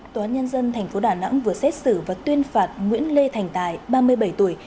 tòa nhân dân tp đà nẵng vừa xét xử và tuyên phạt nguyễn lê thành tài ba mươi bảy tuổi